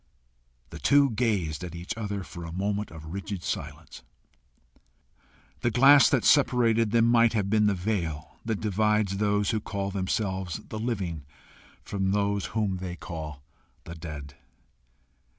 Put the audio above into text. The two gazed at each other for a moment of rigid silence. The glass that separated them might have been the veil that divides those who call themselves the living from those whom they call the dead.